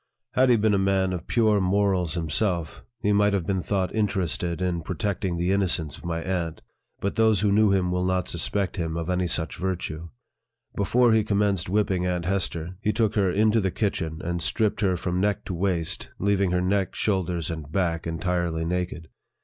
Had he been a man of pure morals himself, he might have been thought interested in protecting the innocence of rny aunt ; but those who knew him will not suspect him of any such virtue. Before he commenced whipping Aunt Hester, he took her into the kitchen, and stripped her from neck to waist, leaving her neck, shoulders, and back, entirely naked.